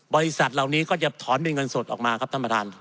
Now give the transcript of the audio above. บริษัทเหล่านี้ก็จะถอนเป็นเงินสดออกมาครับท่านประธาน